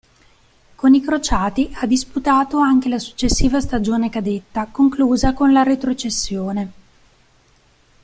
Con i crociati ha disputato anche la successiva stagione cadetta, conclusa con la retrocessione.